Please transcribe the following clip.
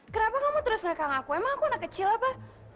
kenapa kamu terus ngegang aku emang aku anak kecil apa